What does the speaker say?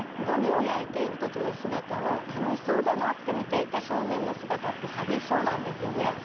ゴミを焼いている時の姿を楽しそうだなって見ていた少年の姿って寂しそうなんですよね。